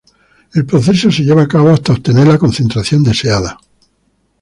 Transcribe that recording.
El proceso se lleva a cabo hasta obtener la concentración deseada.